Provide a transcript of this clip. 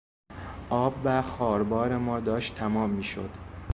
آب و خواربار ما داشت تمام میشد.